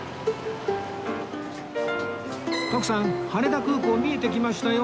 徳さん羽田空港見えてきましたよ